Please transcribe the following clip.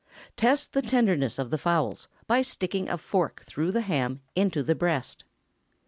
Test the tenderness of the fowls, by sticking a fork through the ham into the breast.